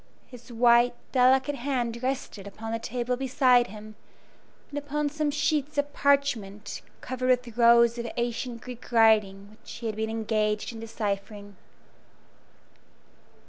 His white, delicate hand rested upon the table beside him, and upon some sheets of parchment covered with rows of ancient Greek writing which he had been engaged in deciphering.